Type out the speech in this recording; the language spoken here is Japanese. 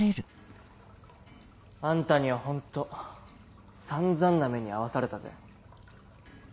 あんたにはホント散々な目に遭わされたぜ。